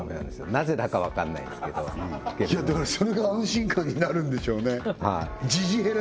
なぜだかわかんないんですけどいやだからそれが安心感になるんでしょうねジジヘラ